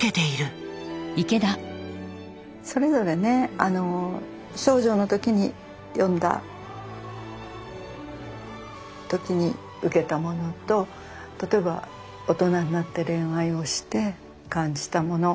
それぞれね少女の時に読んだ時に受けたものと例えば大人になって恋愛をして感じたもの。